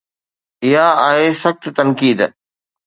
اها آهي سخت تنقيد.